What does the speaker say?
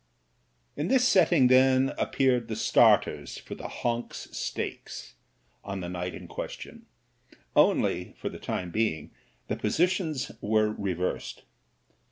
In this setting, then, appeared the starters for the Honks stakes on the night in question, only, for the time being, the positions were reversed.